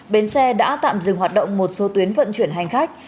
bến xe đã tạm dừng hoạt động một số tuyến vận chuyển hành khách